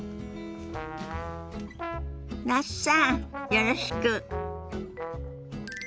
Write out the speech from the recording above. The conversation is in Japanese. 那須さんよろしく。